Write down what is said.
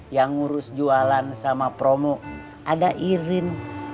yang ngurus jualan sama promo ada irin